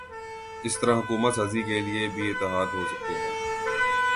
اسی طرح حکومت سازی کے لیے بھی اتحاد ہو سکتے ہیں۔